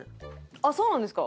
あっそうなんですか？